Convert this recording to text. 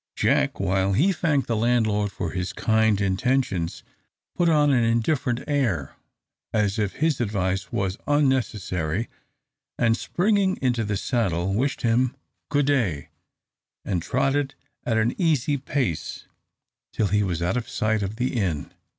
Jack, while he thanked the landlord for his kind intentions, put on an indifferent air, as if his advice was unnecessary, and springing into the saddle, wished him good day, and trotted at an easy pace till he was out of sight of the inn.